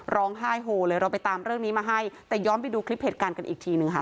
ร้องไห้โหเลยเราไปตามเรื่องนี้มาให้แต่ย้อนไปดูคลิปเหตุการณ์กันอีกทีหนึ่งค่ะ